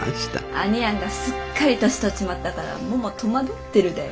兄やんがすっかり年取っちまったからもも戸惑ってるだよ。